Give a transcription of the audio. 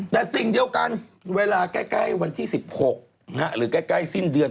แต่สิ่งเดียวกันเวลาใกล้วันที่๑๖หรือใกล้สิ้นเดือน